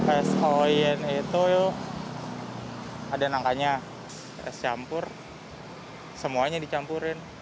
es koin itu ada nangkanya es campur semuanya dicampurin